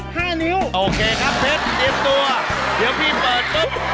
ห้านิ้วโอเคครับเพชรเตรียมตัวเดี๋ยวพี่เปิดปุ๊บ